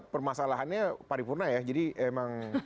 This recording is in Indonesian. permasalahannya paripurna ya jadi emang